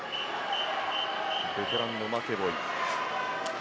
ベテランのマケボイ。